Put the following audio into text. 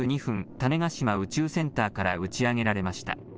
種子島宇宙センターから打ち上げられました。